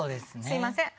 すみません。